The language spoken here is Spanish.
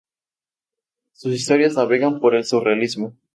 Sus historietas navegan por el surrealismo.